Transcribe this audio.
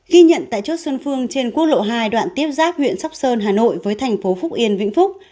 ghi nhận tại chốt xuân phương trên quốc lộ hai đoạn tiếp giáp huyện sóc sơn hà nội với thành phố phúc yên vĩnh phúc